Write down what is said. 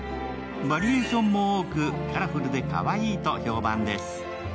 バリエーションも多く、カラフルでかわいいと評判です。